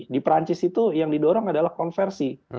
di perancis itu yang didorong adalah konversi